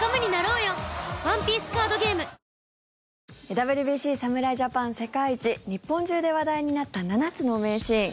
ＷＢＣ侍ジャパン世界一日本中で話題になった７つの名シーン。